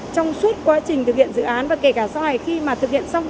trong suốt quá trình thực hiện dự án và kể cả sau này khi mà thực hiện xong